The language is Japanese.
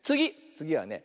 つぎはね